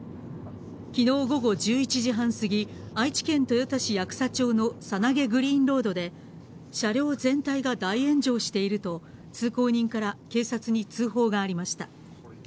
きのう午後１１時半過ぎ、愛知県豊田市八草町の猿投グリーンロードで、車両全体が大炎上していると、通行人から警察に通報がありました。